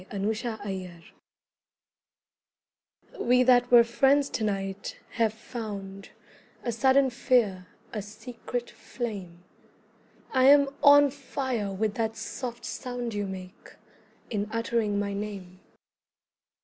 WE THAT WERE FRIENDS We that were friends to night have found A sudden fear, a secret flame: I am on fire with that soft sound You make, in uttering my name.